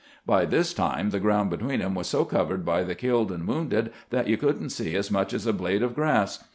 By this time the ground between 'em was so Covered by the killed and wounded that you could n't see as much as a blade of grass.